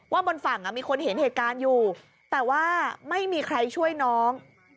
บนฝั่งมีคนเห็นเหตุการณ์อยู่แต่ว่าไม่มีใครช่วยน้อง